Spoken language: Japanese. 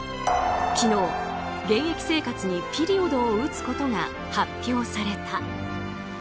昨日、現役生活にピリオドを打つことが発表された。